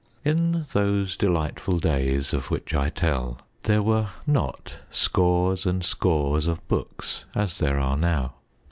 In those delightful days of which I tell, there were not scores and scores of books as there are now.